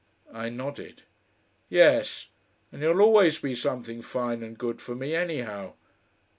I nodded. "Yes. And you'll always be something fine and good for me anyhow.